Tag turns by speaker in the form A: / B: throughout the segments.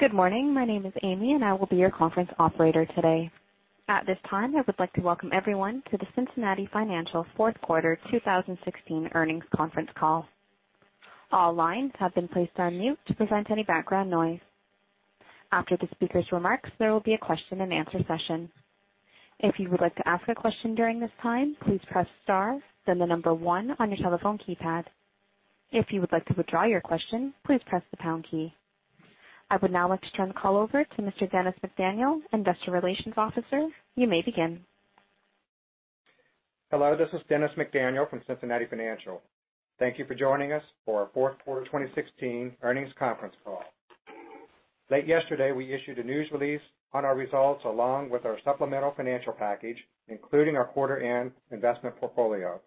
A: Good morning. My name is Amy, and I will be your conference operator today. At this time, I would like to welcome everyone to the Cincinnati Financial Fourth Quarter 2016 Earnings Conference Call. All lines have been placed on mute to prevent any background noise. After the speakers' remarks, there will be a question and answer session. If you would like to ask a question during this time, please press star, then 1 on your telephone keypad. If you would like to withdraw your question, please press the pound key. I would now like to turn the call over to Mr. Dennis McDaniel, investor relations officer. You may begin.
B: Hello, this is Dennis McDaniel from Cincinnati Financial. Thank you for joining us for our fourth quarter 2016 earnings conference call. Late yesterday, we issued a news release on our results along with our supplemental financial package, including our quarter and investment portfolio.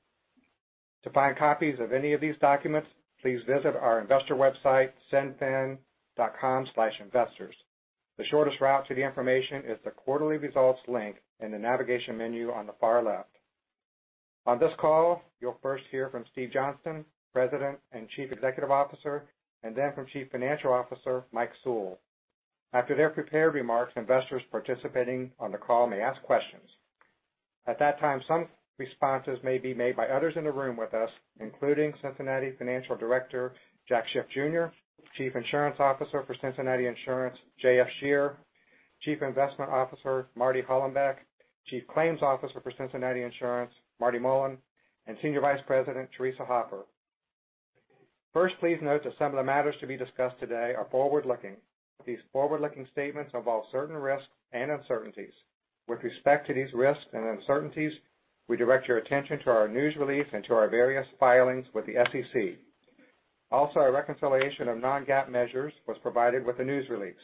B: To find copies of any of these documents, please visit our investor website, cinfin.com/investors. The shortest route to the information is the quarterly results link in the navigation menu on the far left. On this call, you'll first hear from Steve Johnston, President and Chief Executive Officer, and then from Chief Financial Officer Mike Sewell. After their prepared remarks, investors participating on the call may ask questions. At that time, some responses may be made by others in the room with us, including Cincinnati Financial Director Jack Schiff Jr., Chief Insurance Officer for Cincinnati Insurance, J.F. Scherer, Chief Investment Officer Marty Hollenbeck, Chief Claims Officer for Cincinnati Insurance Marty Mullen, and Senior Vice President Teresa Hopper. First, please note that some of the matters to be discussed today are forward-looking. These forward-looking statements involve certain risks and uncertainties. With respect to these risks and uncertainties, we direct your attention to our news release and to our various filings with the SEC. Also, our reconciliation of non-GAAP measures was provided with the news release.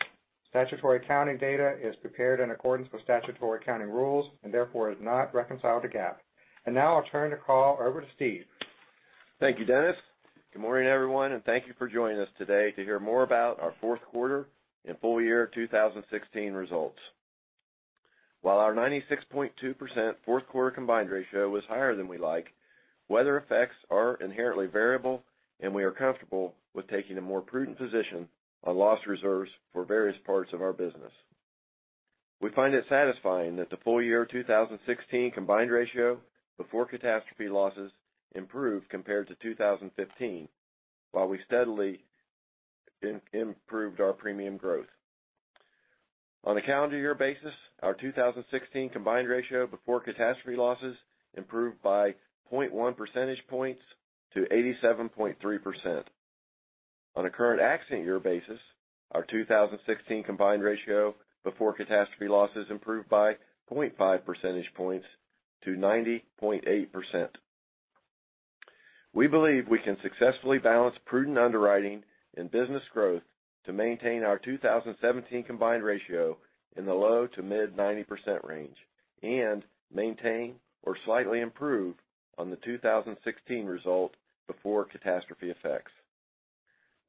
B: Statutory accounting data is prepared in accordance with statutory accounting rules and therefore is not reconciled to GAAP. Now I'll turn the call over to Steve.
C: Thank you, Dennis. Good morning, everyone, and thank you for joining us today to hear more about our fourth quarter and full year 2016 results. While our 96.2% fourth quarter combined ratio was higher than we like, weather effects are inherently variable, and we are comfortable with taking a more prudent position on loss reserves for various parts of our business. We find it satisfying that the full year 2016 combined ratio before catastrophe losses improved compared to 2015, while we steadily improved our premium growth. On a calendar year basis, our 2016 combined ratio before catastrophe losses improved by 0.1 percentage points to 87.3%. On a current accident year basis, our 2016 combined ratio before catastrophe losses improved by 0.5 percentage points to 90.8%. We believe we can successfully balance prudent underwriting and business growth to maintain our 2017 combined ratio in the low to mid 90% range and maintain or slightly improve on the 2016 result before catastrophe effects.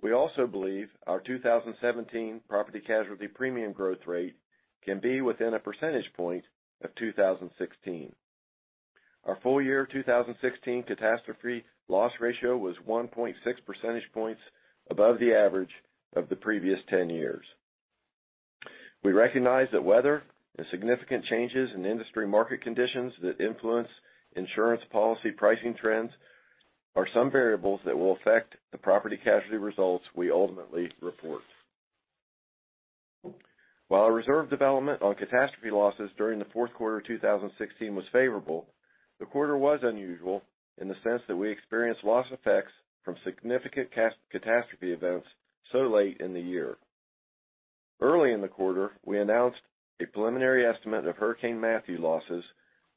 C: We also believe our 2017 property casualty premium growth rate can be within a percentage point of 2016. Our full year 2016 catastrophe loss ratio was 1.6 percentage points above the average of the previous 10 years. We recognize that weather and significant changes in industry market conditions that influence insurance policy pricing trends are some variables that will affect the property casualty results we ultimately report. While our reserve development on catastrophe losses during the fourth quarter 2016 was favorable, the quarter was unusual in the sense that we experienced loss effects from significant catastrophe events so late in the year. Early in the quarter, we announced a preliminary estimate of Hurricane Matthew losses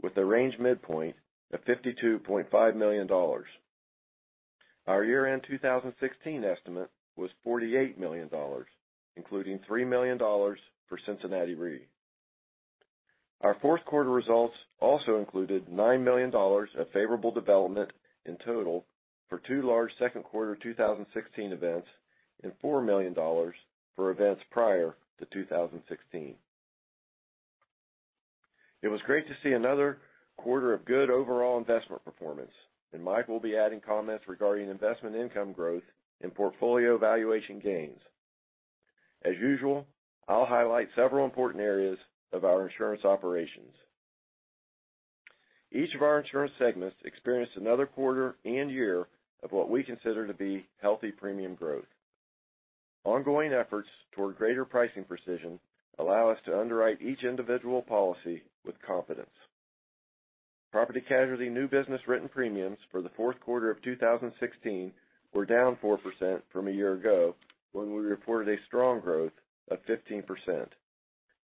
C: with a range midpoint of $52.5 million. Our year-end 2016 estimate was $48 million, including $3 million for Cincinnati Re. Our fourth quarter results also included $9 million of favorable development in total for two large second quarter 2016 events and $4 million for events prior to 2016. It was great to see another quarter of good overall investment performance, and Mike will be adding comments regarding investment income growth and portfolio valuation gains. As usual, I'll highlight several important areas of our insurance operations. Each of our insurance segments experienced another quarter and year of what we consider to be healthy premium growth. Ongoing efforts toward greater pricing precision allow us to underwrite each individual policy with confidence. Property casualty new business written premiums for the fourth quarter of 2016 were down 4% from a year ago, when we reported a strong growth of 15%.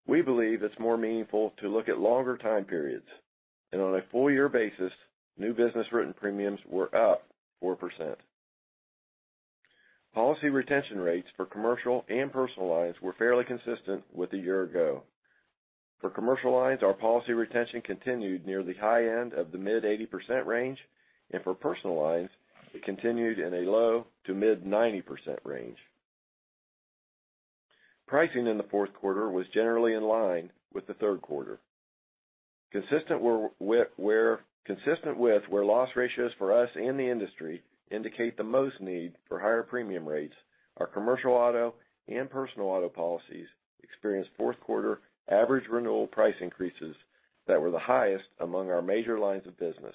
C: We believe it's more meaningful to look at longer time periods. On a full year basis, new business written premiums were up 4%. Policy retention rates for commercial and personal lines were fairly consistent with a year ago. For commercial lines, our policy retention continued near the high end of the mid 80% range, and for personal lines, it continued in a low to mid 90% range. Pricing in the fourth quarter was generally in line with the third quarter. Consistent with where loss ratios for us and the industry indicate the most need for higher premium rates, our commercial auto and personal auto policies experienced fourth quarter average renewal price increases that were the highest among our major lines of business.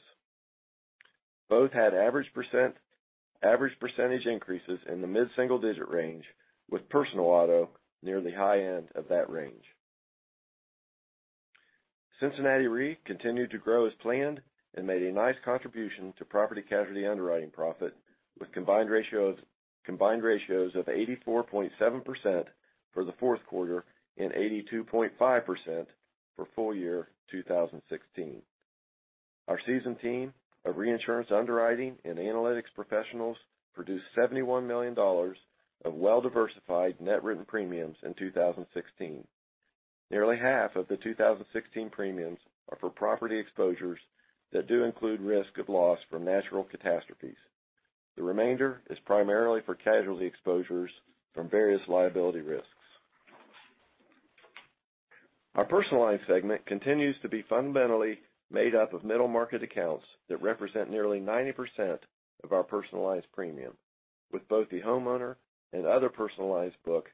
C: Both had average percentage increases in the mid-single digit range, with personal auto near the high end of that range. Cincinnati Re continued to grow as planned and made a nice contribution to property casualty underwriting profit, with combined ratios of 84.7% for the fourth quarter and 82.5% for full year 2016. Our seasoned team of reinsurance underwriting and analytics professionals produced $71 million of well-diversified net written premiums in 2016. Nearly half of the 2016 premiums are for property exposures that do include risk of loss from natural catastrophes. The remainder is primarily for casualty exposures from various liability risks. Our personal lines segment continues to be fundamentally made up of middle market accounts that represent nearly 90% of our personal lines premium, with both the homeowner and other personal lines book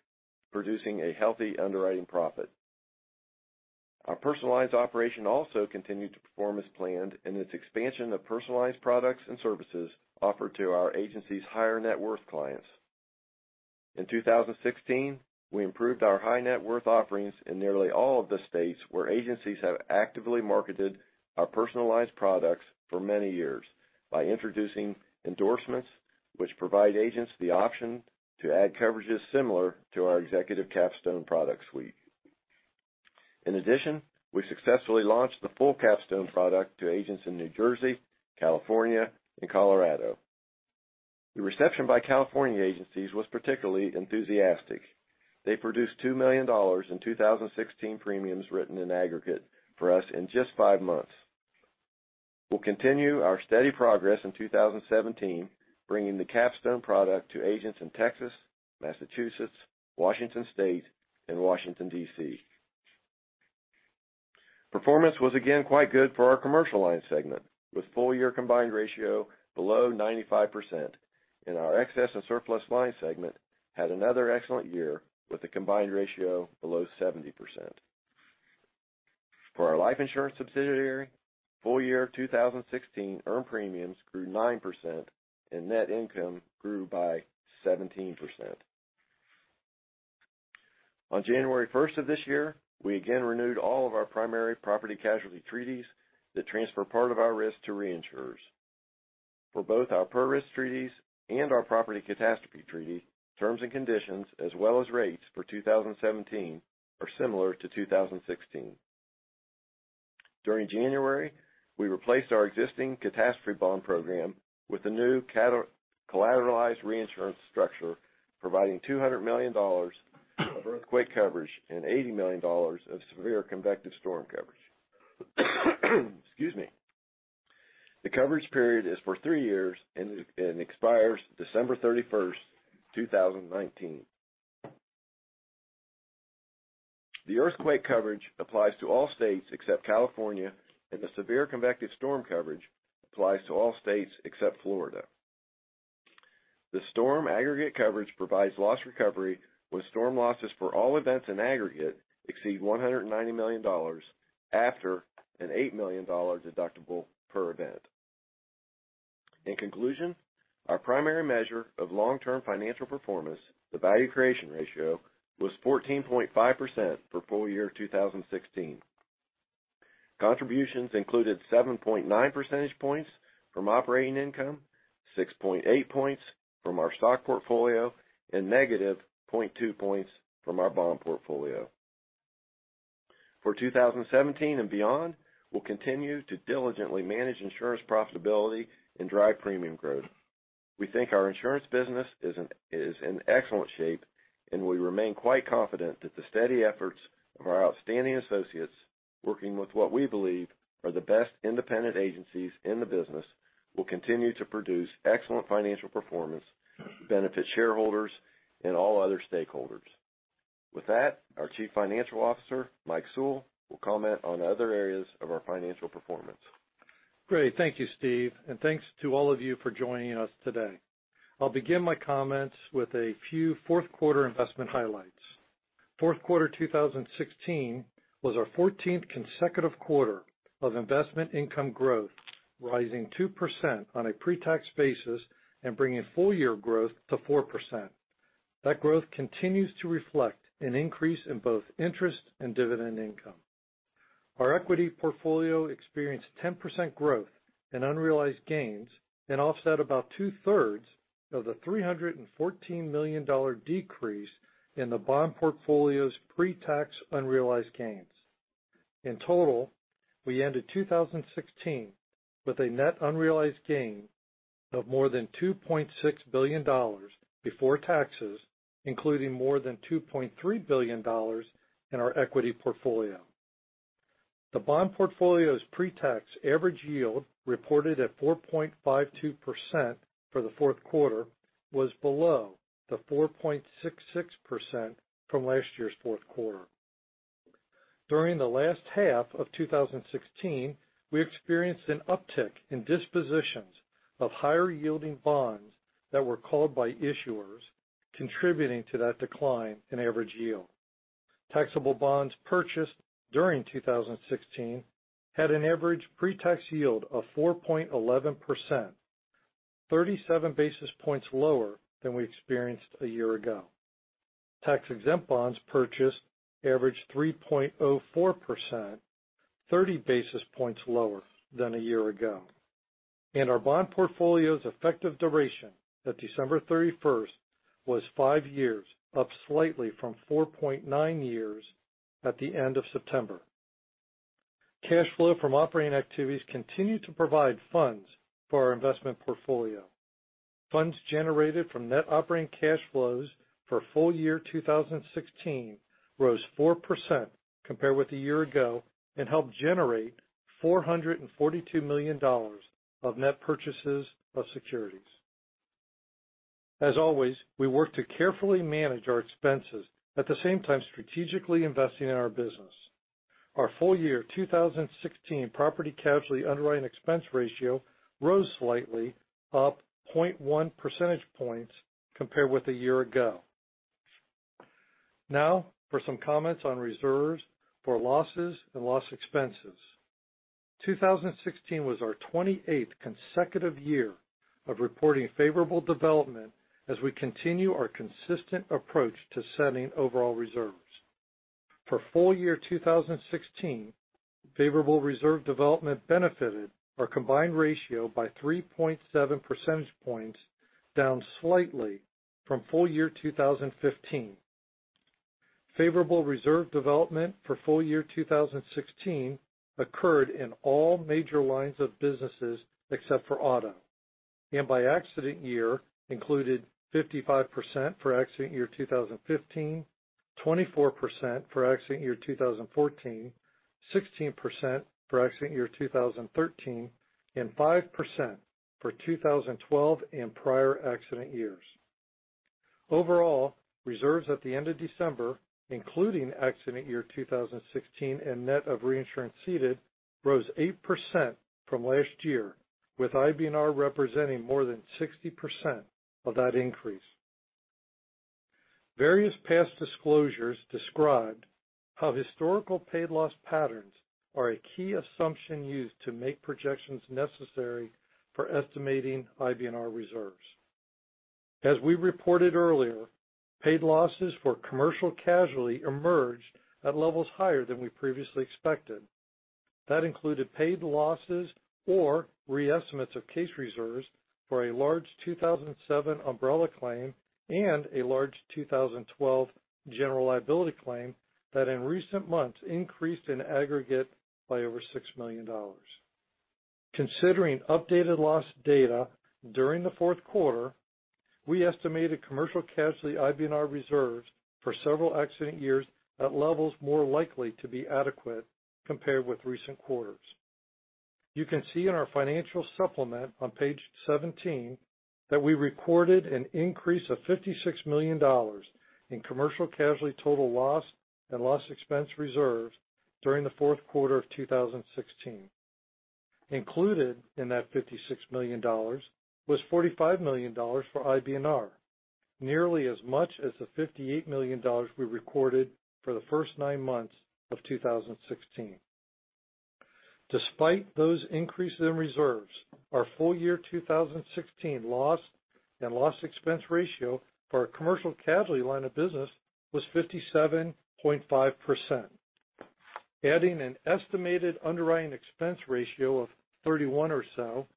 C: producing a healthy underwriting profit. Our personalized operation also continued to perform as planned in its expansion of personalized products and services offered to our agency's higher net worth clients. In 2016, we improved our high net worth offerings in nearly all of the states where agencies have actively marketed our personalized products for many years by introducing endorsements which provide agents the option to add coverages similar to our Executive Capstone product suite. In addition, we successfully launched the full Capstone product to agents in New Jersey, California, and Colorado. The reception by California agencies was particularly enthusiastic. They produced $2 million in 2016 premiums written in aggregate for us in just five months. We'll continue our steady progress in 2017, bringing the Capstone product to agents in Texas, Massachusetts, Washington State, and Washington, D.C. Performance was again quite good for our commercial line segment, with full year combined ratio below 95%, and our excess and surplus lines segment had another excellent year with a combined ratio below 70%. For our life insurance subsidiary, full year 2016 earned premiums grew 9%, and net income grew by 17%. On January 1st of this year, we again renewed all of our primary property casualty treaties that transfer part of our risk to reinsurers. For both our per-risk treaties and our property catastrophe treaty, terms and conditions as well as rates for 2017 are similar to 2016. During January, we replaced our existing catastrophe bond program with a new collateralized reinsurance structure providing $200 million of earthquake coverage and $80 million of severe convective storm coverage. Excuse me. The coverage period is for three years and expires December 31st, 2019. The earthquake coverage applies to all states except California, and the severe convective storm coverage applies to all states except Florida. The storm aggregate coverage provides loss recovery when storm losses for all events in aggregate exceed $190 million after an $8 million deductible per event. In conclusion, our primary measure of long-term financial performance, the value creation ratio, was 14.5% for full year 2016. Contributions included 7.9 percentage points from operating income, 6.8 points from our stock portfolio, and negative 0.2 points from our bond portfolio. For 2017 and beyond, we'll continue to diligently manage insurance profitability and drive premium growth. We think our insurance business is in excellent shape. We remain quite confident that the steady efforts of our outstanding associates, working with what we believe are the best independent agencies in the business, will continue to produce excellent financial performance to benefit shareholders and all other stakeholders. With that, our Chief Financial Officer, Mike Sewell, will comment on other areas of our financial performance.
D: Great. Thank you, Steve, and thanks to all of you for joining us today. I'll begin my comments with a few fourth quarter investment highlights. Fourth quarter 2016 was our 14th consecutive quarter of investment income growth, rising 2% on a pre-tax basis and bringing full year growth to 4%. That growth continues to reflect an increase in both interest and dividend income. Our equity portfolio experienced 10% growth in unrealized gains and offset about two-thirds of the $314 million decrease in the bond portfolio's pre-tax unrealized gains. In total, we ended 2016 with a net unrealized gain of more than $2.6 billion before taxes, including more than $2.3 billion in our equity portfolio. The bond portfolio's pre-tax average yield, reported at 4.52% for the fourth quarter, was below the 4.66% from last year's fourth quarter. During the last half of 2016, we experienced an uptick in dispositions of higher yielding bonds that were called by issuers, contributing to that decline in average yield. Taxable bonds purchased during 2016 had an average pre-tax yield of 4.11%, 37 basis points lower than we experienced a year ago. Tax-exempt bonds purchased averaged 3.04%, 30 basis points lower than a year ago. Our bond portfolio's effective duration at December 31st was five years, up slightly from 4.9 years at the end of September. Cash flow from operating activities continued to provide funds for our investment portfolio. Funds generated from net operating cash flows for full year 2016 rose 4% compared with a year ago and helped generate $442 million of net purchases of securities. As always, we work to carefully manage our expenses, at the same time, strategically investing in our business. Our full year 2016 property casualty underwriting expense ratio rose slightly, up 0.1 percentage points compared with a year ago. Now, for some comments on reserves for losses and loss expenses. 2016 was our 28th consecutive year of reporting favorable development as we continue our consistent approach to setting overall reserves. For full year 2016, favorable reserve development benefited our combined ratio by 3.7 percentage points, down slightly from full year 2015. Favorable reserve development for full year 2016 occurred in all major lines of businesses except for auto. By accident year included 55% for accident year 2015, 24% for accident year 2014, 16% for accident year 2013, and 5% for 2012 and prior accident years. Overall, reserves at the end of December, including accident year 2016 and net of reinsurance ceded, rose 8% from last year, with IBNR representing more than 60% of that increase. Various past disclosures describe how historical paid loss patterns are a key assumption used to make projections necessary for estimating IBNR reserves. As we reported earlier, paid losses for commercial casualty emerged at levels higher than we previously expected. That included paid losses or re-estimates of case reserves for a large 2007 umbrella claim and a large 2012 general liability claim that in recent months increased in aggregate by over $6 million. Considering updated loss data during the fourth quarter, we estimated commercial casualty IBNR reserves for several accident years at levels more likely to be adequate compared with recent quarters. You can see in our financial supplement on page 17 that we recorded an increase of $56 million in commercial casualty total loss and loss expense reserves during the fourth quarter of 2016. Included in that $56 million was $45 million for IBNR, nearly as much as the $58 million we recorded for the first nine months of 2016. Despite those increases in reserves, our full year 2016 loss and loss expense ratio for our commercial casualty line of business was 57.5%. Adding an estimated underwriting expense ratio of 31 or so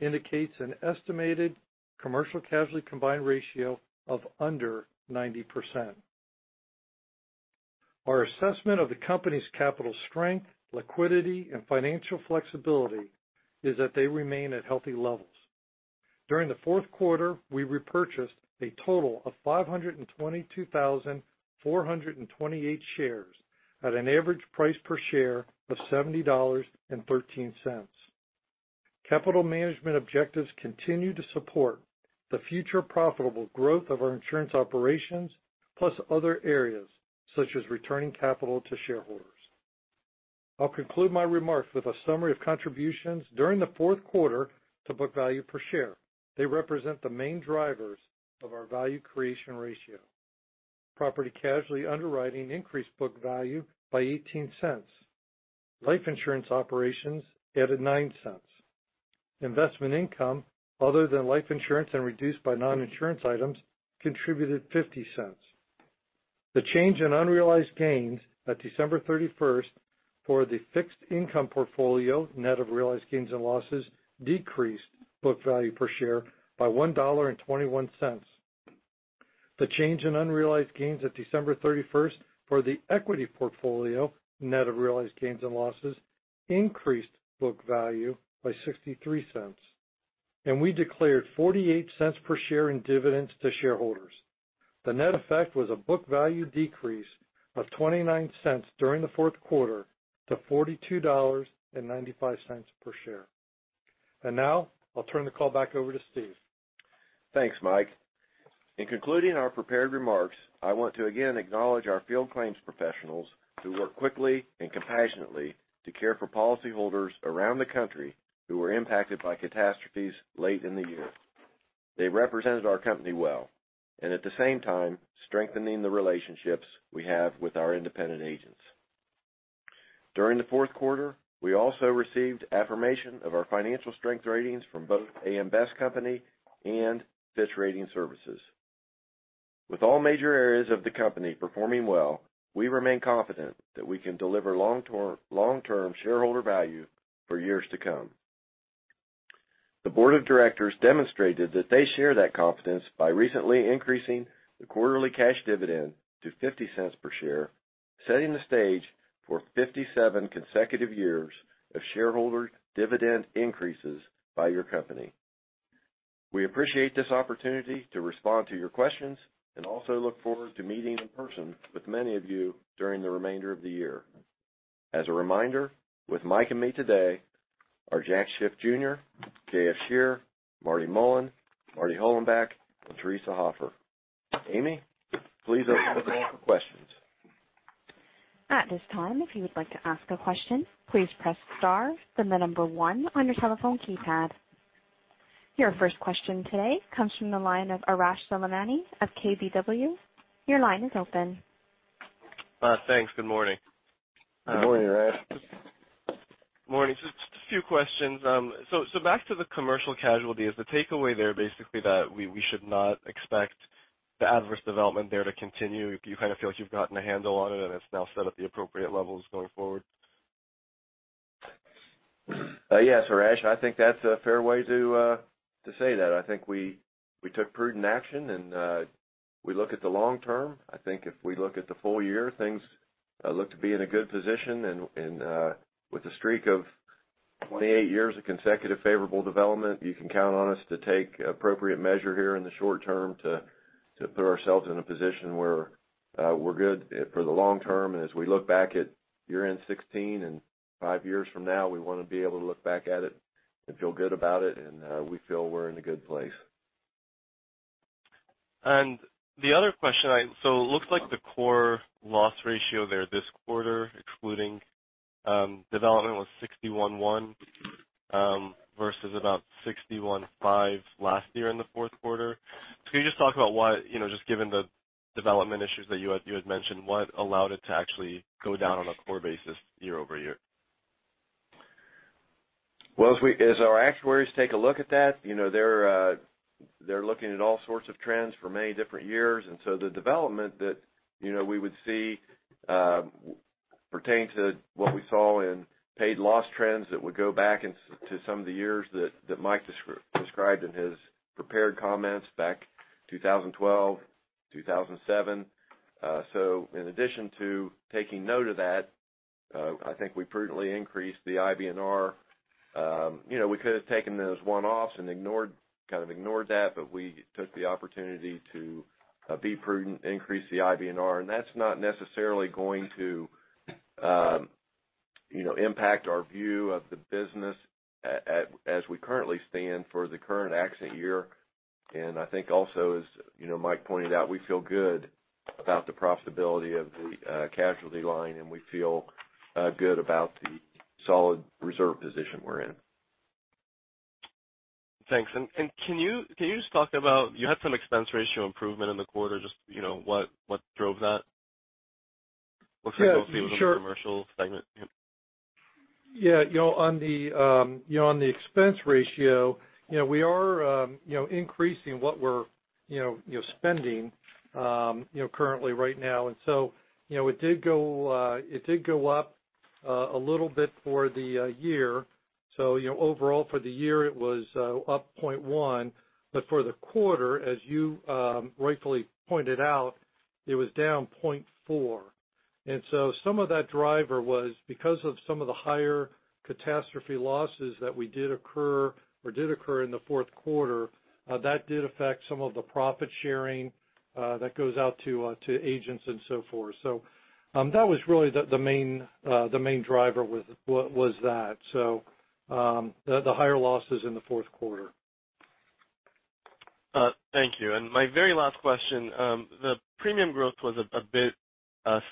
D: indicates an estimated commercial casualty combined ratio of under 90%. Our assessment of the company's capital strength, liquidity, and financial flexibility is that they remain at healthy levels. During the fourth quarter, we repurchased a total of 522,428 shares at an average price per share of $70.13. Capital management objectives continue to support the future profitable growth of our insurance operations plus other areas such as returning capital to shareholders. I'll conclude my remarks with a summary of contributions during the fourth quarter to book value per share. They represent the main drivers of our value creation ratio. Property casualty underwriting increased book value by $0.18. Life insurance operations added $0.09. Investment income other than life insurance and reduced by non-insurance items contributed $0.50. The change in unrealized gains at December 31st for the fixed income portfolio, net of realized gains and losses, decreased book value per share by $1.21. The change in unrealized gains at December 31st for the equity portfolio, net of realized gains and losses, increased book value by $0.63. We declared $0.48 per share in dividends to shareholders. The net effect was a book value decrease of $0.29 during the fourth quarter to $42.95 per share. Now I'll turn the call back over to Steve.
C: Thanks, Mike. In concluding our prepared remarks, I want to again acknowledge our field claims professionals who work quickly and compassionately to care for policyholders around the country who were impacted by catastrophes late in the year. They represented our company well, and at the same time, strengthening the relationships we have with our independent agents. During the fourth quarter, we also received affirmation of our financial strength ratings from both AM Best and Fitch Ratings. With all major areas of the company performing well, we remain confident that we can deliver long-term shareholder value for years to come. The board of directors demonstrated that they share that confidence by recently increasing the quarterly cash dividend to $0.50 per share, setting the stage for 57 consecutive years of shareholder dividend increases by your company. We appreciate this opportunity to respond to your questions and also look forward to meeting in person with many of you during the remainder of the year. As a reminder, with Mike and me today are Jack Schiff, Jr., J.F. Scherer, Marty Mullen, Marty Hollenbeck, and Teresa Hopper. Amy, please open us up for questions.
A: At this time, if you would like to ask a question, please press star then the number one on your telephone keypad. Your first question today comes from the line of Arash Soleimani of KBW. Your line is open.
E: Thanks. Good morning.
C: Good morning, Arash.
E: Morning. Just a few questions. Back to the commercial casualty. Is the takeaway there basically that we should not expect the adverse development there to continue? You feel like you've gotten a handle on it and it's now set at the appropriate levels going forward?
C: Yes, Arash, I think that's a fair way to say that. I think we took prudent action and we look at the long term. I think if we look at the full year, things look to be in a good position and with a streak of 28 years of consecutive favorable development, you can count on us to take appropriate measure here in the short term to put ourselves in a position where we're good for the long term. As we look back at year-end 2016 and five years from now, we want to be able to look back at it and feel good about it, and we feel we're in a good place.
E: The other question. It looks like the core loss ratio there this quarter, excluding development, was 61.1 versus about 61.5 last year in the fourth quarter. Can you just talk about why, just given the development issues that you had mentioned, what allowed it to actually go down on a core basis year-over-year?
C: Well, as our actuaries take a look at that, they're looking at all sorts of trends for many different years. The development that we would see pertaining to what we saw in paid loss trends that would go back into some of the years that Mike described in his prepared comments, back 2012, 2007. In addition to taking note of that, I think we prudently increased the IBNR. We could have taken those one-offs and kind of ignored that, but we took the opportunity to be prudent, increase the IBNR, and that's not necessarily going to impact our view of the business as we currently stand for the current accident year. I think also, as Mike pointed out, we feel good about the profitability of the casualty line, and we feel good about the solid reserve position we're in.
E: Thanks. Can you just talk about, you had some expense ratio improvement in the quarter, just what drove that?
D: Yeah, sure.
E: It was in the commercial segment.
D: Yeah. On the expense ratio, we are increasing what we're spending currently right now. It did go up a little bit for the year. Overall for the year it was up 0.1%, but for the quarter, as you rightfully pointed out, it was down 0.4%. Some of that driver was because of some of the higher catastrophe losses that we did occur or did occur in the fourth quarter. That did affect some of the profit sharing that goes out to agents and so forth. That was really the main driver was that. The higher losses in the fourth quarter.
E: Thank you. My very last question. The premium growth was a bit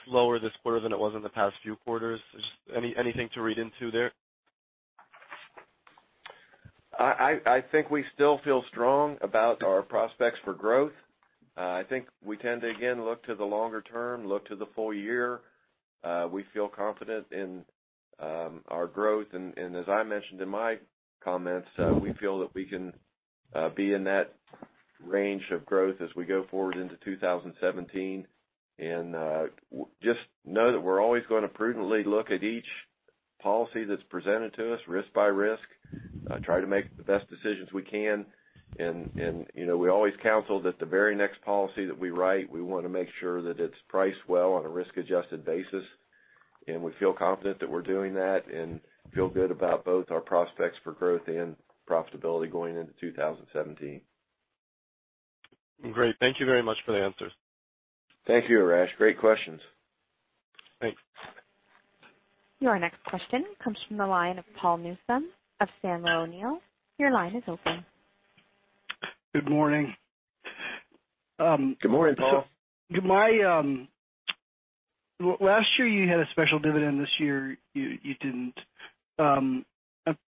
E: slower this quarter than it was in the past few quarters. Is anything to read into there?
C: I think we still feel strong about our prospects for growth. I think we tend to, again, look to the longer term, look to the full year. We feel confident in our growth. As I mentioned in my comments, we feel that we can be in that range of growth as we go forward into 2017. Just know that we're always going to prudently look at each policy that's presented to us risk by risk, try to make the best decisions we can, and we always counsel that the very next policy that we write, we want to make sure that it's priced well on a risk-adjusted basis. We feel confident that we're doing that and feel good about both our prospects for growth and profitability going into 2017.
E: Great. Thank you very much for the answers.
C: Thank you, Arash. Great questions.
E: Thanks.
A: Your next question comes from the line of Paul Newsome of Sandler O'Neill. Your line is open.
F: Good morning.
C: Good morning, Paul.
F: Last year, you had a special dividend. This year, you didn't. I'm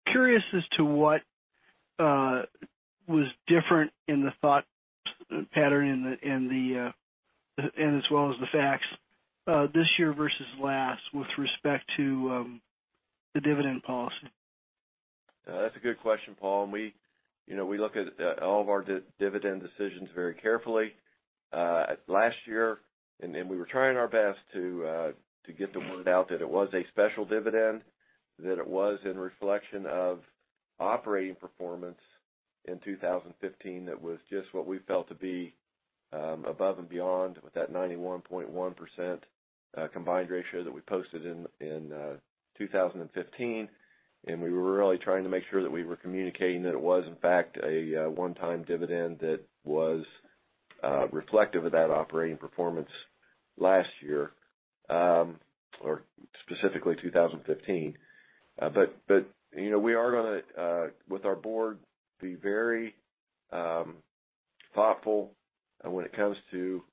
F: curious as to what was different in the thought pattern and as well as the facts this year versus last with respect to the dividend policy.
C: That's a good question, Paul. We look at all of our dividend decisions very carefully. Last year, we were trying our best to get the word out that it was a special dividend, that it was in reflection of operating performance in 2015. That was just what we felt to be above and beyond with that 91.1% combined ratio that we posted in 2015. We were really trying to make sure that we were communicating that it was, in fact, a one-time dividend that was reflective of that operating performance last year, or specifically 2015. We are going to, with our board, be very thoughtful when it comes to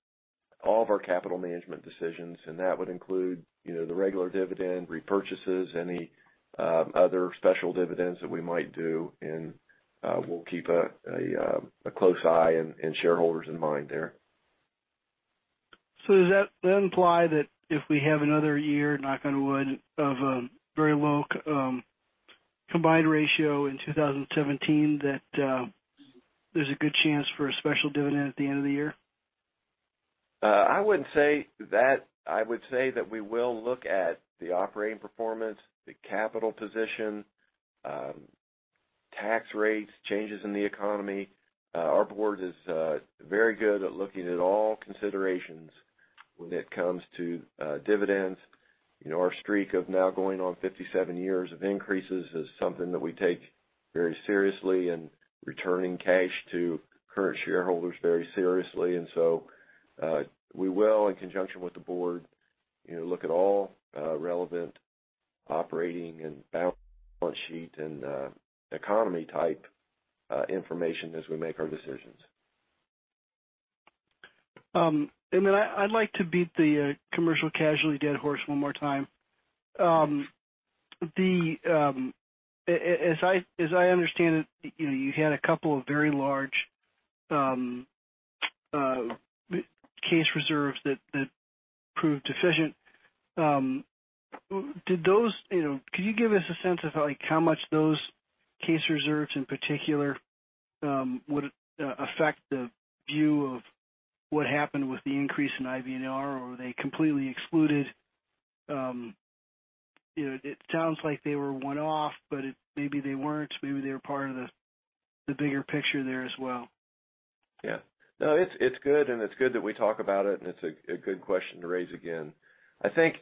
C: all of our capital management decisions, and that would include the regular dividend repurchases, any other special dividends that we might do, and we'll keep a close eye and shareholders in mind there.
F: Does that then imply that if we have another year, knock on wood, of a very low combined ratio in 2017, that there's a good chance for a special dividend at the end of the year?
C: I wouldn't say that. I would say that we will look at the operating performance, the capital position, tax rates, changes in the economy. Our board is very good at looking at all considerations when it comes to dividends. Our streak of now going on 57 years of increases is something that we take very seriously and returning cash to current shareholders very seriously. We will, in conjunction with the board, look at all relevant operating and balance sheet and economy type information as we make our decisions.
F: I'd like to beat the commercial casualty dead horse one more time. As I understand it, you had a couple of very large case reserves that proved deficient. Can you give us a sense of how much those case reserves in particular would affect the view of what happened with the increase in IBNR, or were they completely excluded? It sounds like they were one-off, but maybe they weren't. Maybe they were part of the bigger picture there as well.
C: No, it's good, and it's good that we talk about it, and it's a good question to raise again. I think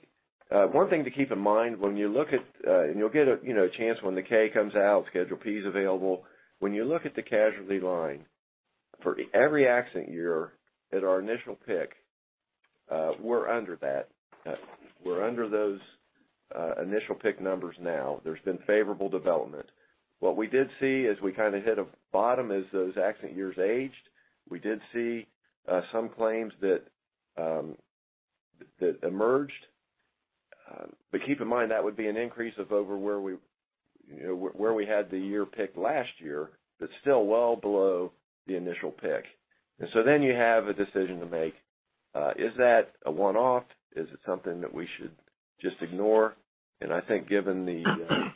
C: one thing to keep in mind when you look at, and you'll get a chance when the K comes out, Schedule P is available. When you look at the casualty line for every accident year at our initial pick, we're under that. We're under those initial pick numbers now. There's been favorable development. What we did see as we kind of hit a bottom as those accident years aged, we did see some claims that emerged. Keep in mind, that would be an increase of over where we had the year picked last year, but still well below the initial pick. Then you have a decision to make. Is that a one-off? Is it something that we should just ignore? I think given the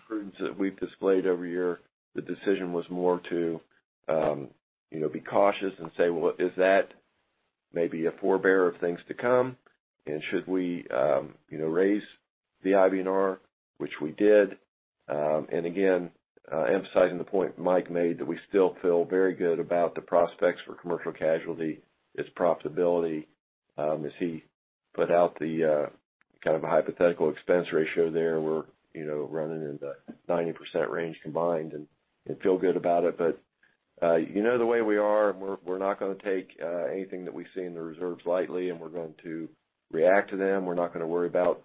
C: prudence that we've displayed every year, the decision was more to be cautious and say, well, is that maybe a forebearer of things to come? Should we raise the IBNR, which we did. Again, emphasizing the point Mike made, that we still feel very good about the prospects for commercial casualty, its profitability. As he put out the kind of hypothetical expense ratio there, we're running in the 90% range combined and feel good about it. You know the way we are, we're not going to take anything that we see in the reserves lightly, and we're going to react to them. We're not going to worry about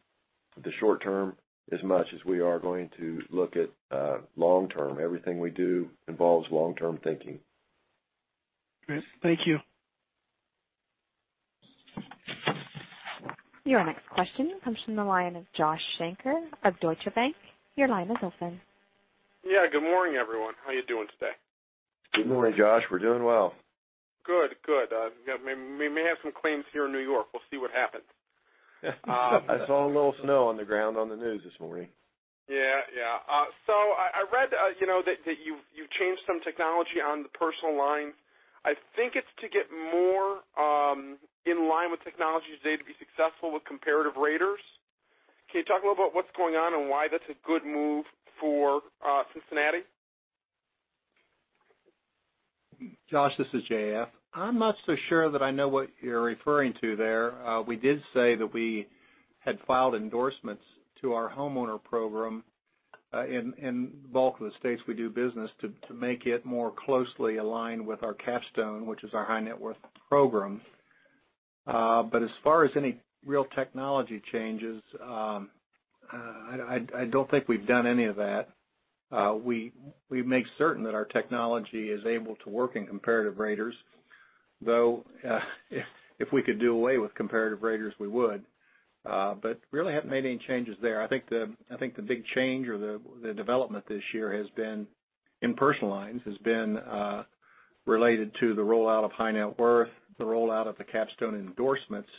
C: the short term as much as we are going to look at long term. Everything we do involves long-term thinking.
F: Great. Thank you.
A: Your next question comes from the line of Joshua Shanker of Deutsche Bank. Your line is open.
G: Yeah, good morning, everyone. How are you doing today?
C: Good morning, Josh. We're doing well.
G: Good. We may have some claims here in N.Y. We'll see what happens.
C: I saw a little snow on the ground on the news this morning.
G: Yeah. I read that you've changed some technology on the Personal Lines. I think it's to get more in line with technology today to be successful with comparative raters. Can you talk a little about what's going on and why that's a good move for Cincinnati?
H: Josh, this is J.F. I'm not so sure that I know what you're referring to there. We did say that we had filed endorsements to our homeowner program in bulk of the states we do business to make it more closely aligned with our Capstone, which is our high net worth program. As far as any real technology changes, I don't think we've done any of that. We make certain that our technology is able to work in comparative raters, though, if we could do away with comparative raters, we would. Really haven't made any changes there. I think the big change or the development this year has been, in personal lines, has been related to the rollout of high net worth, the rollout of the Capstone endorsements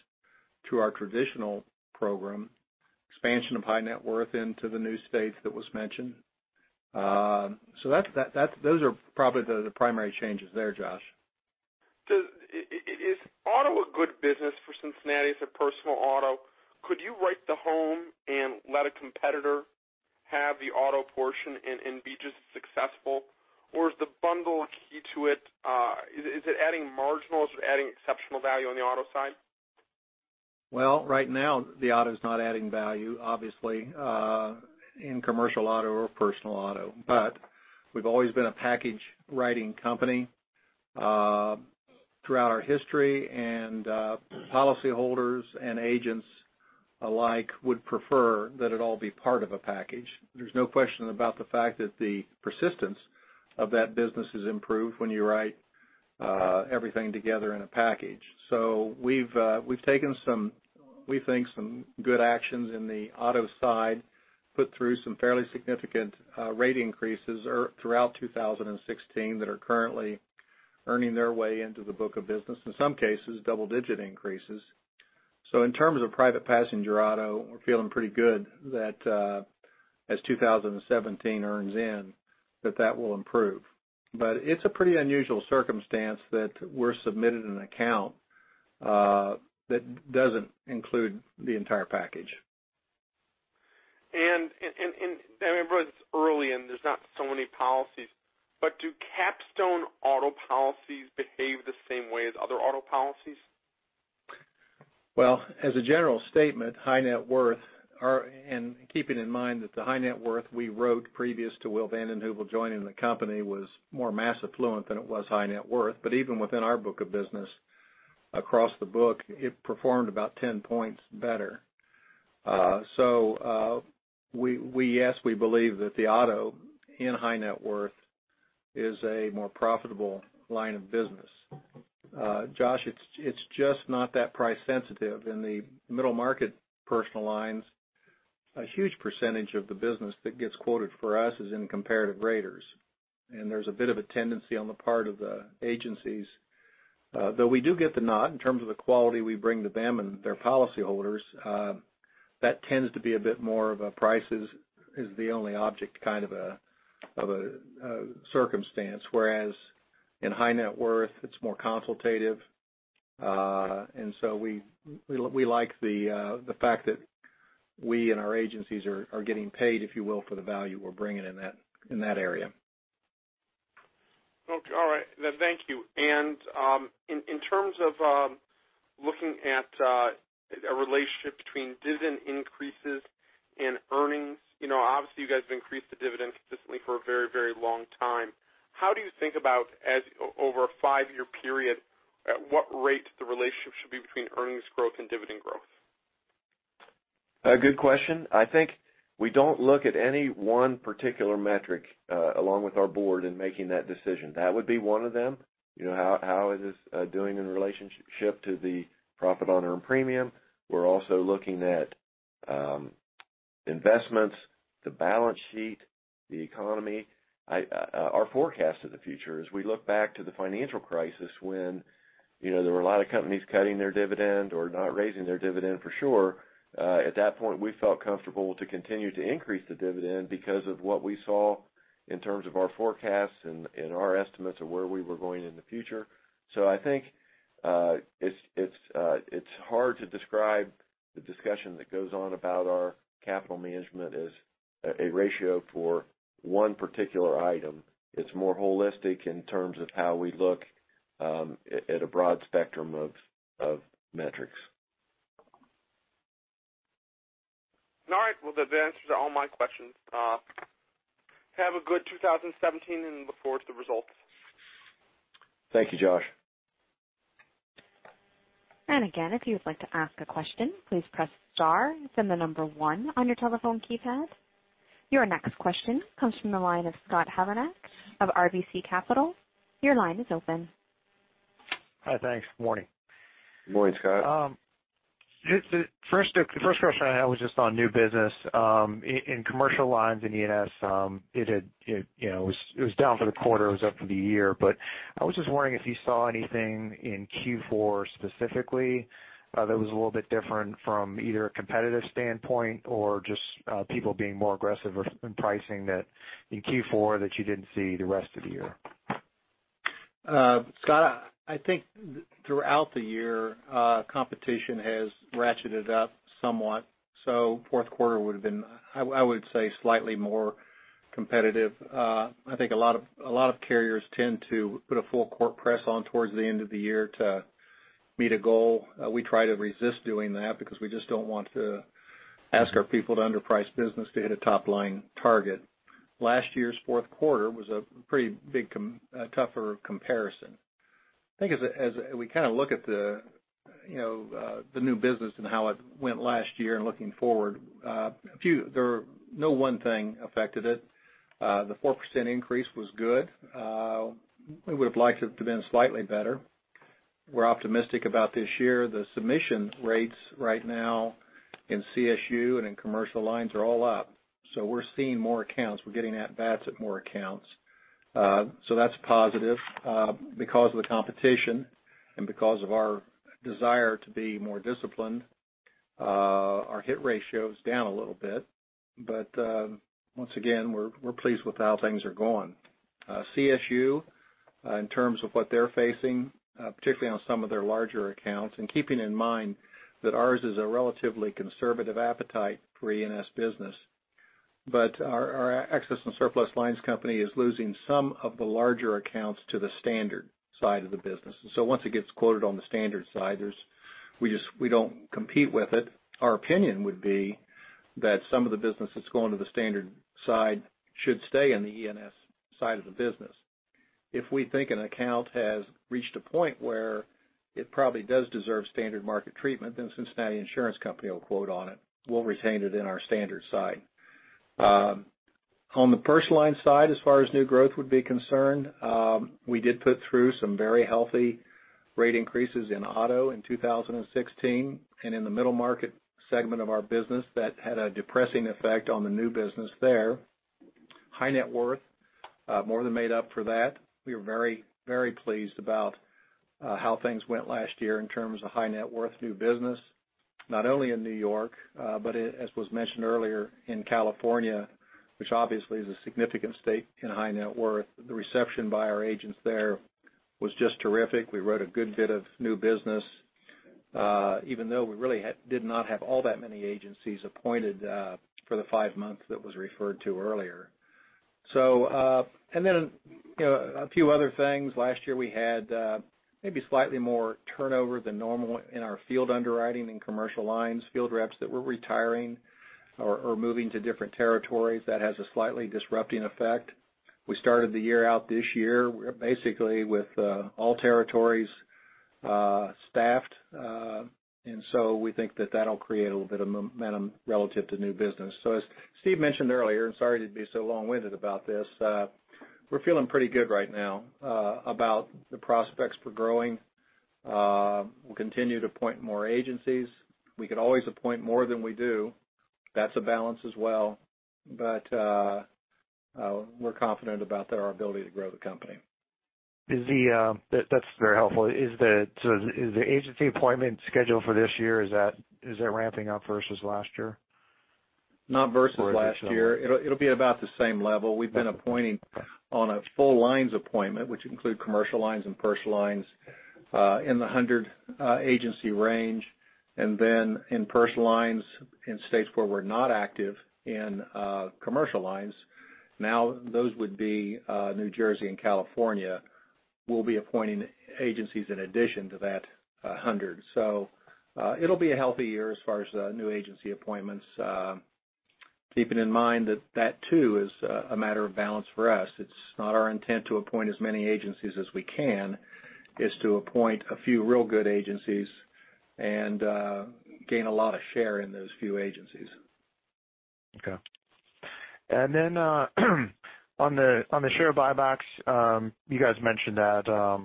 H: to our traditional program, expansion of high net worth into the new states that was mentioned. Those are probably the primary changes there, Josh.
G: Is auto a good business for Cincinnati as a personal auto? Could you write the home and let a competitor have the auto portion and be just as successful? Is the bundle key to it? Is it adding marginal or is it adding exceptional value on the auto side?
H: Right now, the auto's not adding value, obviously, in commercial auto or personal auto. We've always been a package writing company, throughout our history, and policy holders and agents alike would prefer that it all be part of a package. There's no question about the fact that the persistence of that business is improved when you write everything together in a package. We've taken, we think, some good actions in the auto side, put through some fairly significant rate increases throughout 2016 that are currently earning their way into the book of business, in some cases, double-digit increases. In terms of private passenger auto, we're feeling pretty good that, as 2017 earns in, that that will improve. It's a pretty unusual circumstance that we're submitted an account that doesn't include the entire package.
G: I realize it's early and there's not so many policies, but do Capstone auto policies behave the same way as other auto policies?
H: Well, as a general statement, high net worth. Keeping in mind that the high net worth we wrote previous to Will Van Den Heuvel joining the company was more mass affluent than it was high net worth. Even within our book of business, across the book, it performed about 10 points better. Yes, we believe that the auto in high net worth is a more profitable line of business. Josh, it's just not that price sensitive. In the middle market personal lines, a huge percentage of the business that gets quoted for us is in comparative raters. There's a bit of a tendency on the part of the agencies, though we do get the nod in terms of the quality we bring to them and their policy holders, that tends to be a bit more of a price is the only object kind of a circumstance. Whereas in high net worth, it's more consultative. So we like the fact that we and our agencies are getting paid, if you will, for the value we're bringing in that area.
G: Okay. All right. Thank you. In terms of looking at a relationship between dividend increases and earnings, obviously you guys have increased the dividend consistently for a very long time. How do you think about as over a five-year period, at what rate the relationship should be between earnings growth and dividend growth?
C: A good question. I think we don't look at any one particular metric along with our board in making that decision. That would be one of them. How is this doing in relationship to the profit on earned premium? We're also looking at investments, the balance sheet, the economy. Our forecast of the future, as we look back to the financial crisis when there were a lot of companies cutting their dividend or not raising their dividend for sure, at that point, we felt comfortable to continue to increase the dividend because of what we saw in terms of our forecasts and our estimates of where we were going in the future. I think it's hard to describe the discussion that goes on about our capital management as a ratio for one particular item. It's more holistic in terms of how we look at a broad spectrum of metrics.
G: All right. Well, those answer all my questions. Have a good 2017 and look forward to the results.
C: Thank you, Josh.
A: Again, if you would like to ask a question, please press star then the number one on your telephone keypad. Your next question comes from the line of Scott Heleniak of RBC Capital Markets. Your line is open.
I: Hi, thanks. Morning.
C: Morning, Scott.
I: The first question I had was just on new business. In Commercial Lines in E&S, it was down for the quarter. It was up for the year. I was just wondering if you saw anything in Q4 specifically that was a little bit different from either a competitive standpoint or just people being more aggressive in pricing that in Q4 that you didn't see the rest of the year?
H: Scott, I think throughout the year, competition has ratcheted up somewhat. Fourth quarter would've been, I would say, slightly more competitive. I think a lot of carriers tend to put a full court press on towards the end of the year to meet a goal. We try to resist doing that because we just don't want to ask our people to underprice business to hit a top-line target. Last year's fourth quarter was a pretty big tougher comparison. I think as we kind of look at the new business and how it went last year and looking forward, no one thing affected it. The 4% increase was good. We would've liked it to have been slightly better. We're optimistic about this year. The submission rates right now in CSU and in Commercial Lines are all up. We're seeing more accounts. We're getting at bats at more accounts. That's positive. Because of the competition and because of our desire to be more disciplined, our hit ratio is down a little bit. Once again, we're pleased with how things are going. CSU, in terms of what they're facing, particularly on some of their larger accounts, and keeping in mind that ours is a relatively conservative appetite for E&S business, but our excess and surplus lines company is losing some of the larger accounts to the standard side of the business. Once it gets quoted on the standard side, we don't compete with it. Our opinion would be that some of the business that's going to the standard side should stay in the E&S side of the business. If we think an account has reached a point where it probably does deserve standard market treatment, then Cincinnati Insurance Company will quote on it. We'll retain it in our standard side. On the personal line side, as far as new growth would be concerned, we did put through some very healthy rate increases in auto in 2016 and in the middle market segment of our business. That had a depressing effect on the new business there. High net worth more than made up for that. We were very pleased about how things went last year in terms of high net worth new business, not only in New York, but as was mentioned earlier, in California, which obviously is a significant state in high net worth. The reception by our agents there was just terrific. We wrote a good bit of new business, even though we really did not have all that many agencies appointed for the five months that was referred to earlier. A few other things. Last year, we had maybe slightly more turnover than normal in our field underwriting and commercial lines, field reps that were retiring or moving to different territories. That has a slightly disrupting effect. We started the year out this year, basically with all territories staffed. We think that that'll create a little bit of momentum relative to new business. As Steven mentioned earlier, and sorry to be so long-winded about this, we're feeling pretty good right now about the prospects for growing. We'll continue to appoint more agencies. We could always appoint more than we do. That's a balance as well. We're confident about our ability to grow the company.
I: That's very helpful. Is the agency appointment schedule for this year, is that ramping up versus last year?
H: Not versus last year. It'll be about the same level. We've been appointing on a full lines appointment, which include commercial lines and personal lines, in the 100 agency range. In personal lines in states where we're not active in commercial lines, now those would be New Jersey and California, we'll be appointing agencies in addition to that 100. It'll be a healthy year as far as new agency appointments. Keeping in mind that that too is a matter of balance for us. It's not our intent to appoint as many agencies as we can. It's to appoint a few real good agencies and gain a lot of share in those few agencies.
I: Okay. On the share buybacks, you guys mentioned that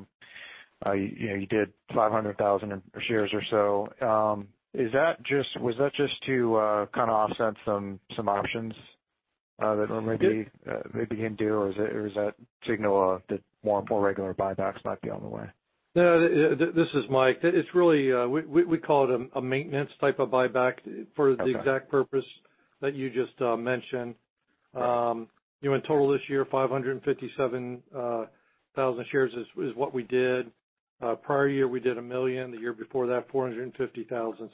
I: you did 500,000 shares or so. Was that just to kind of offset some options that maybe came due, or is that signal that more and more regular buybacks might be on the way?
D: No. This is Mike. We call it a maintenance type of buyback for the exact purpose that you just mentioned. In total this year, 557,000 shares is what we did. Prior year, we did a million, the year before that, 450,000.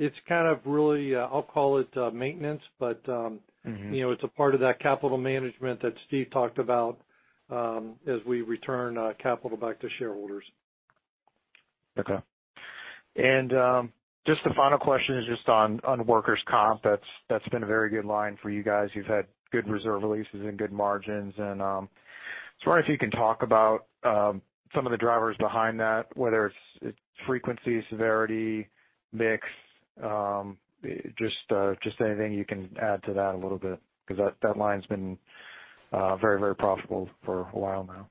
D: It's kind of really, I'll call it maintenance, but it's a part of that capital management that Steve talked about as we return capital back to shareholders.
I: Okay. Just a final question is just on workers' comp. That's been a very good line for you guys. You've had good reserve releases and good margins. Just wonder if you can talk about some of the drivers behind that, whether it's frequency, severity, mix. Just anything you can add to that a little bit, because that line's been very profitable for a while now.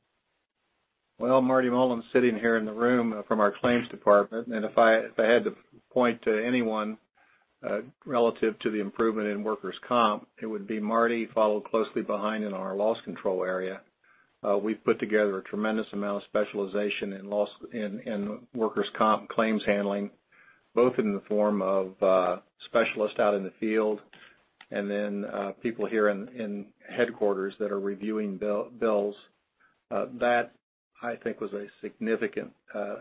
H: Marty Mullen's sitting here in the room from our claims department, and if I had to point to anyone relative to the improvement in workers' comp, it would be Marty, followed closely behind in our loss control area. We've put together a tremendous amount of specialization in workers' comp claims handling, both in the form of specialists out in the field. People here in headquarters that are reviewing bills. That, I think, was a significant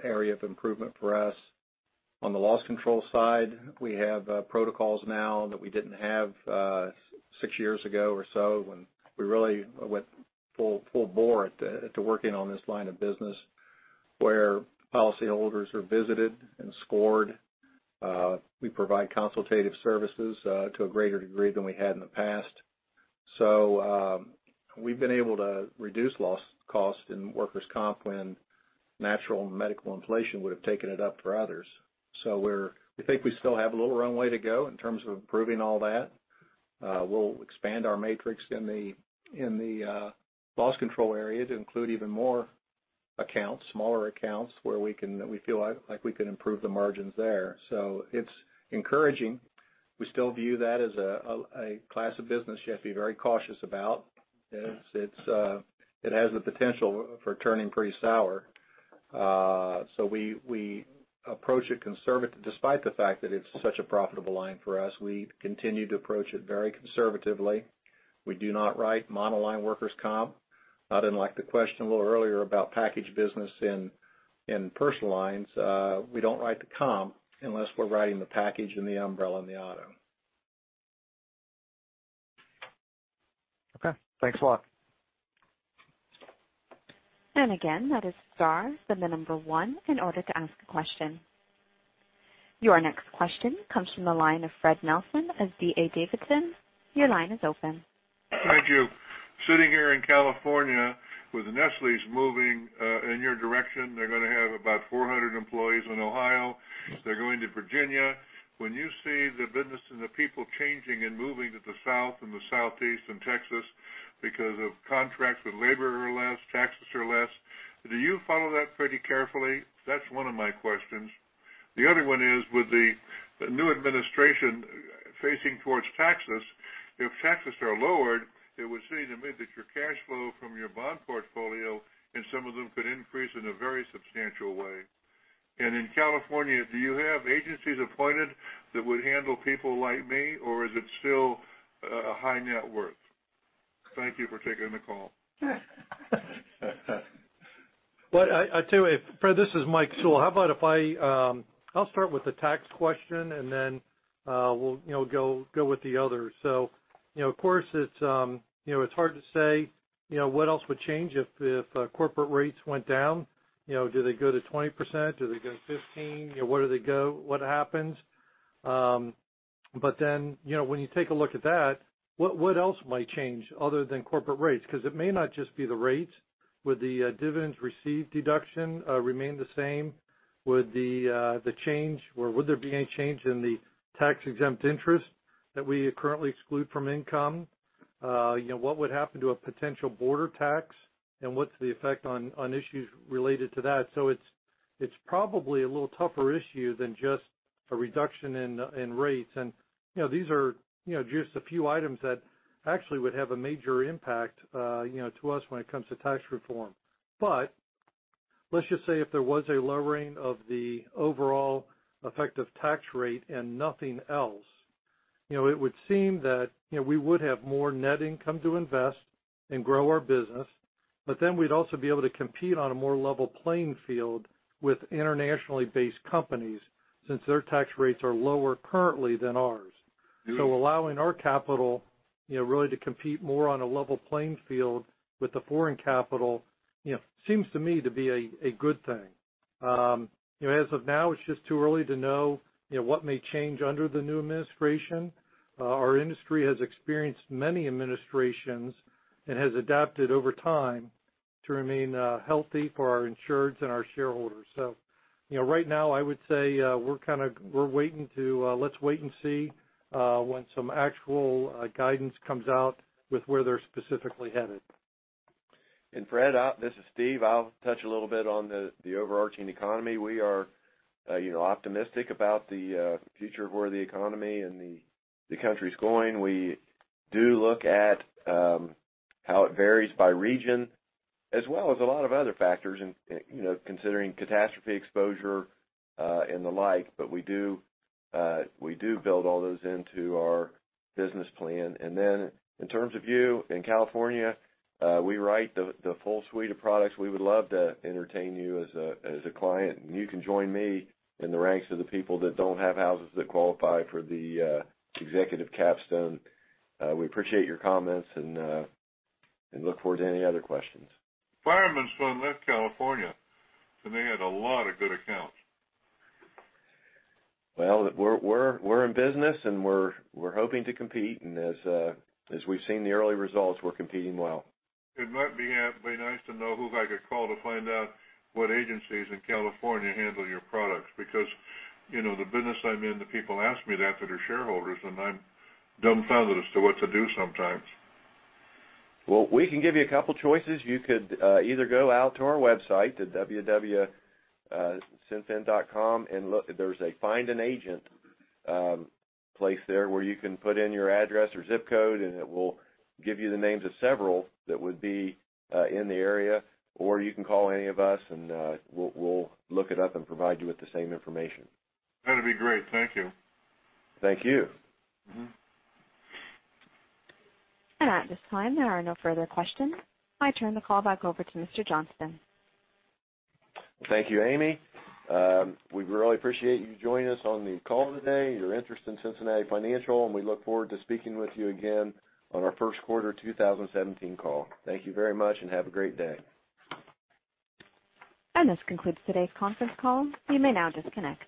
H: area of improvement for us. On the loss control side, we have protocols now that we didn't have six years ago or so when we really went full bore to working on this line of business where policyholders are visited and scored. We provide consultative services to a greater degree than we had in the past. We've been able to reduce cost in workers' comp when natural medical inflation would have taken it up for others. We think we still have a little runway to go in terms of improving all that. We'll expand our matrix in the loss control area to include even more accounts, smaller accounts, where we feel like we can improve the margins there. It's encouraging. We still view that as a class of business you have to be very cautious about. It has the potential for turning pretty sour. We approach it conservative. Despite the fact that it's such a profitable line for us, we continue to approach it very conservatively. We do not write monoline workers' comp. Other than like the question a little earlier about package business in personal lines, we don't write the comp unless we're writing the package and the umbrella and the auto.
I: Okay. Thanks a lot.
A: That is star 1 in order to ask a question. Your next question comes from the line of Fred Nelson of D.A. Davidson. Your line is open.
J: Thank you. Sitting here in California with Nestlé moving in your direction. They're going to have about 400 employees in Ohio. They're going to Virginia. When you see the business and the people changing and moving to the South and the Southeast and Texas because of contracts with labor are less, taxes are less, do you follow that pretty carefully? That's one of my questions. The other one is, with the new administration facing towards taxes, if taxes are lowered, it would seem to me that your cash flow from your bond portfolio and some of them could increase in a very substantial way. In California, do you have agencies appointed that would handle people like me, or is it still a high net worth? Thank you for taking the call.
D: Fred, this is Mike Sewell. I'll start with the tax question, then we'll go with the others. Of course, it's hard to say what else would change if corporate rates went down. Do they go to 20%? Do they go to 15? Where do they go? What happens? When you take a look at that, what else might change other than corporate rates? Because it may not just be the rates. Would the dividends received deduction remain the same? Would there be any change in the tax-exempt interest that we currently exclude from income? What would happen to a potential border tax, and what's the effect on issues related to that? It's probably a little tougher issue than just a reduction in rates. These are just a few items that actually would have a major impact to us when it comes to tax reform. Let's just say if there was a lowering of the overall effective tax rate and nothing else, it would seem that we would have more net income to invest and grow our business, we'd also be able to compete on a more level playing field with internationally based companies since their tax rates are lower currently than ours. Allowing our capital really to compete more on a level playing field with the foreign capital seems to me to be a good thing. As of now, it's just too early to know what may change under the new administration. Our industry has experienced many administrations and has adapted over time to remain healthy for our insureds and our shareholders. Right now, I would say let's wait and see when some actual guidance comes out with where they're specifically headed.
C: Fred, this is Steve. I'll touch a little bit on the overarching economy. We are optimistic about the future of where the economy and the country is going. We do look at how it varies by region, as well as a lot of other factors in considering catastrophe exposure and the like. We do build all those into our business plan. Then in terms of you in California, we write the full suite of products. We would love to entertain you as a client, and you can join me in the ranks of the people that don't have houses that qualify for the Executive Capstone. We appreciate your comments and look forward to any other questions.
J: Fireman's gone left California, they had a lot of good accounts.
H: Well, we're in business and we're hoping to compete, and as we've seen the early results, we're competing well.
J: It might be nice to know who I could call to find out what agencies in California handle your products, because the business I'm in, the people ask me that are shareholders, and I'm dumbfounded as to what to do sometimes.
H: Well, we can give you a couple choices. You could either go out to our website at www.cinfin.com and look. There's a Find an Agent place there where you can put in your address or ZIP code, and it will give you the names of several that would be in the area, or you can call any of us, and we'll look it up and provide you with the same information.
J: That'd be great. Thank you.
H: Thank you.
A: At this time, there are no further questions. I turn the call back over to Mr. Johnston.
C: Thank you, Amy. We really appreciate you joining us on the call today, your interest in Cincinnati Financial, we look forward to speaking with you again on our first quarter 2017 call. Thank you very much and have a great day.
A: This concludes today's conference call. You may now disconnect.